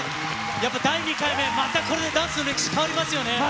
やっぱり第２回目、またこれでダンスの歴史、変わりますよね。